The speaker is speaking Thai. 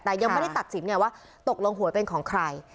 แต่ยังไม่ได้ตัดสินไงว่าตกลงหวยเป็นของใคร